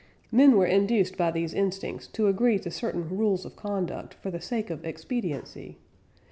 Men were induced by these instincts to agree to certain rules of conduct, for the sake of expediency.